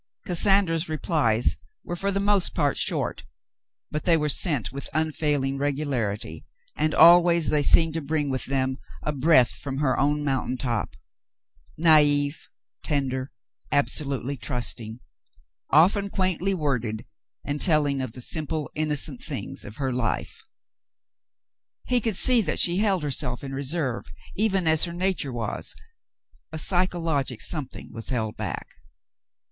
Cassandra's replies were for the most part short, but they were sent with unfailing regularity, and always they seemed to bring with them a breath from her own moun tain top — naive — tender — absolutely trusting — often quaintly worded, and telling of the simple, innocent things of her life. He could see that she held herself in reserve, even as her nature was ; a psychologic something was held back.